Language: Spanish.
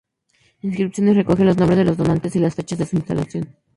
Inscripciones recogen los nombres de los donantes y las fechas de su instalación.